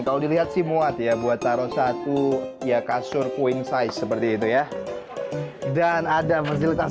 kalau dilihat sih muat ya buat taruh satu retasnya kasur queen size seperti itu ya dan adam ef equipes